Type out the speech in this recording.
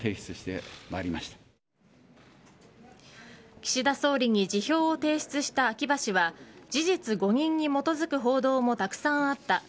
岸田総理に辞表を提出した秋葉氏は事実誤認に基づく報道もたくさんあった。